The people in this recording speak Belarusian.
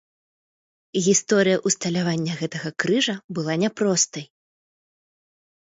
Гісторыя ўсталявання гэтага крыжа была няпростай.